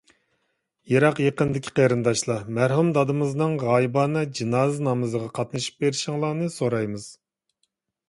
يىراق-يېقىندىكى قېرىنداشلار، مەرھۇم دادىمىزنىڭ غايىبانە جىنازا نامىزىغا قاتنىشىپ بېرىشىڭلارنى سورايمىز.